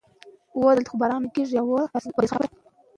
دا داستان د انسانانو ترمنځ مینه پیدا کوي.